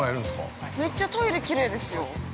◆めっちゃトイレきれいですよ。